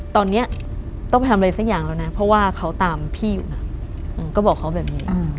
ตอนนี้ต้องไปทำอะไรสักอย่างแล้วนะเพราะว่าเขาตามพี่อยู่นะก็บอกเขาแบบนี้